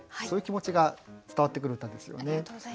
そういう気持ちが伝わってくる歌ですよね。